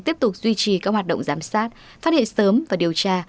tiếp tục duy trì các hoạt động giám sát phát hiện sớm và điều tra